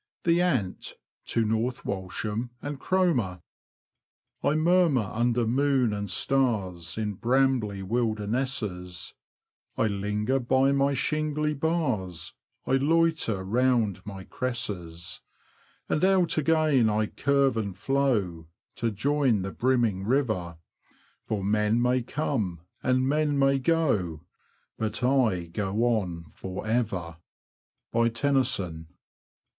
THE ANT, TO NORTH WALSHAM AND CROMER. I murmur under moon and stars In brambly wildernesses ; I linger by my shingly bars ; I loiter round my cresses ; And out again I curve and flow, To join the brimming river : For men may come, and men may go, But I go on for ever. — Tennyson.